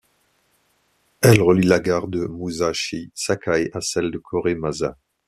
Elle relie la gare de Musashi-Sakai à celle de Koremasa.